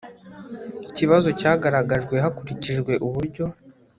kibazo cyagaragajwe hakurikijwe uburyo